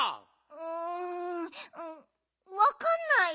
うんわかんない。